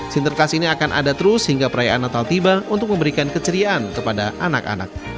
sinterkas ini akan ada terus hingga perayaan natal tiba untuk memberikan keceriaan kepada anak anak